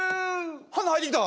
花入ってきた！